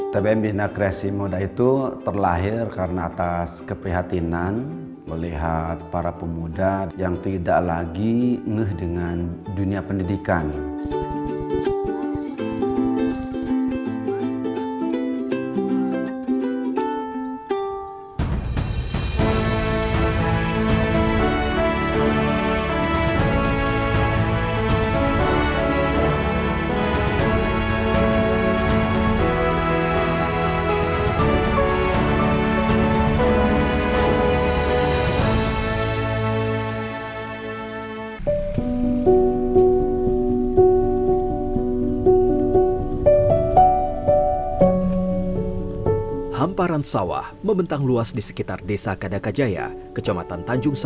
tbm bina kresimoda itu terlahir karena atas keprihatinan melihat para pemuda yang tidak lagi ngeh dengan dunia pendidikan